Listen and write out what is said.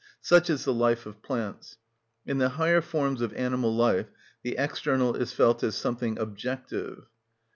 Such is the life of plants. In the higher forms of animal life the external is felt as something objective."